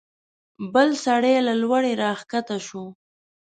بل سړی له لوړې راکښته شو.